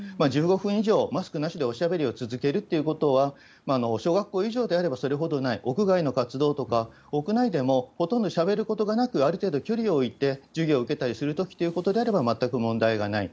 １５分以上、マスクなしでお話を続けるということであれば、小学校以上であればそれほどない、屋外の活動とか、屋内でもほとんどしゃべることがなく、ある程度距離を置いて、授業を受けたりするということであれば全く問題がない。